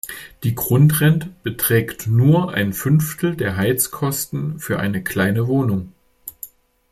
Die Grundrente beträgt nur ein Fünftel der Heizkosten für eine kleine Wohnung.